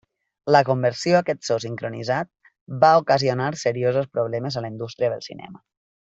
La conversió a aquest so sincronitzat va ocasionar seriosos problemes a la indústria del cinema.